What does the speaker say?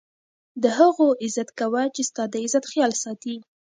د هغو عزت کوه، چي ستا دعزت خیال ساتي.